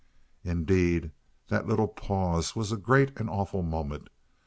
Indeed, that little pause was a great and awful moment.